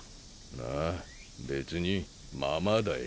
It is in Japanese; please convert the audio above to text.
ああ別にまあまあだい。